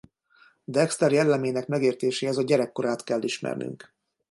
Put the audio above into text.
Dexter jellemének megértéséhez a gyerekkorát kell ismernünk.